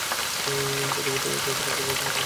পথে-ঘাটে তাদের রক্ত প্রবাহিত হতে লাগল।